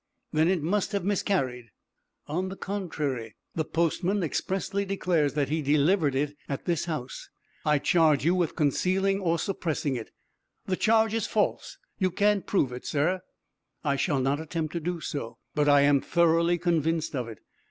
"Then it must have miscarried." "On the contrary, the postman expressly declares that he delivered it at this house. I charge you with concealing or suppressing it." "The charge is false. You can't prove it, sir." "I shall not attempt to do so; but I am thoroughly convinced of it.